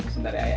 sebentar ya ayah